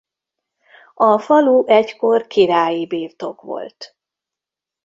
A falu egykor királyi birtok volt.